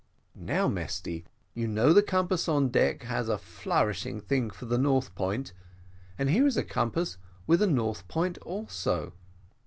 "Now, Mesty, you know the compass on the deck has a flourishing thing for the north point and here is a compass with a north point also.